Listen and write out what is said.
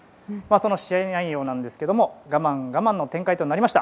仕合内容ですが我慢我慢の展開となりました。